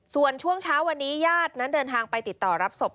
ส่วนช่วงเช้าวันนี้ญาตินั้นเดินทางไปติดต่อรับศพ